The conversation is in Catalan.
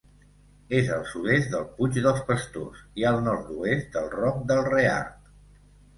És al sud-est del Puig dels Pastors i al nord-oest del Roc del Reart.